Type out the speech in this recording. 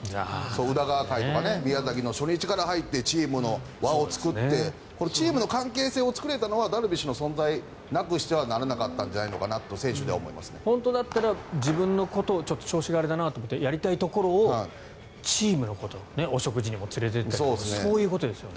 宇田川・甲斐とか宮崎の初日から入ってチームの輪を作ってチームの関係性を作れたのはダルビッシュの存在なくしてはならなかったんじゃないかと本当だったら自分のことをちょっと調子があれだなと思ってやりたいところをチームのことお食事に連れていったりとかそういうことですよね。